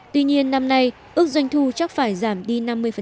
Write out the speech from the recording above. tuy nhiên năm nay ước doanh thu chắc phải giảm đi năm mươi